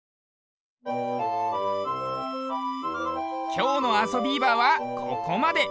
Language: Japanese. きょうの「あそビーバー」はここまで。